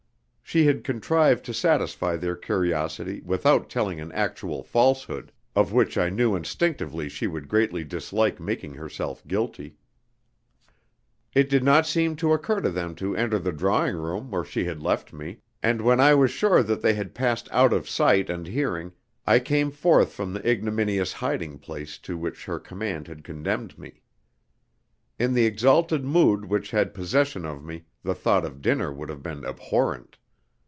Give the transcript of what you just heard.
She had contrived to satisfy their curiosity without telling an actual falsehood, of which I knew instinctively she would greatly dislike making herself guilty. It did not seem to occur to them to enter the drawing room where she had left me; and when I was sure that they had passed out of sight and hearing I came forth from the ignominious hiding place to which her command had condemned me. In the exalted mood which had possession of me the thought of dinner would have been abhorrent.